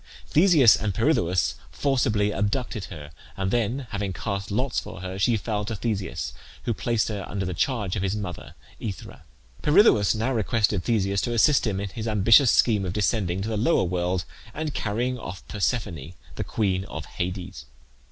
Theseus and Pirithoeus forcibly abducted her, and then having cast lots for her, she fell to Theseus, who placed her under the charge of his mother AEthra. Pirithoeus now requested Theseus to assist him in his ambitious scheme of descending to the lower world and carrying off Persephone, the queen of Hades.